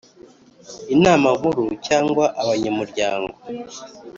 Inama Nkuru cyangwa abanyamuryango